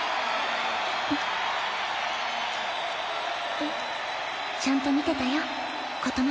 えっ？ちゃんと見てたよ琴乃。